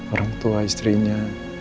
orang tua istrinya